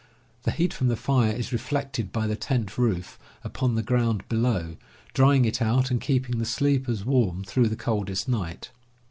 The heat from the fire is reflected by the tent roof upon the ground below, drying it out, and keeping the sleepers warm through the coldest night.